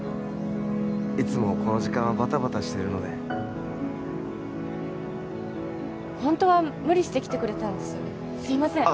いつもこの時間はバタバタしてるのでホントは無理して来てくれたんですよねすいません